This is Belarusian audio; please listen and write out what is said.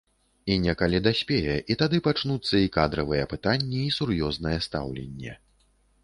І некалі даспее, і тады пачнуцца і кадравыя пытанні, і сур'ёзнае стаўленне.